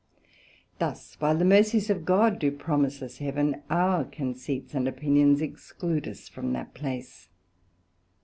Thus whilst the Mercies of God do promise us Heaven, our conceits and opinions exclude us from that place.